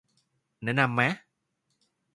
แนะนำมะ